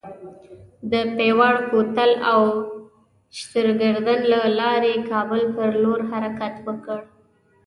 د پیواړ کوتل او شترګردن له لارې کابل پر لور حرکت وکړ.